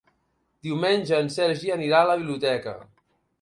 Diumenge en Sergi anirà a la biblioteca.